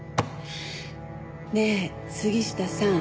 ねえ杉下さん。